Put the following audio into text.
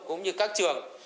cũng như các trường